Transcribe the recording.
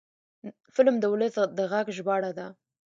فلم د ولس د غږ ژباړه ده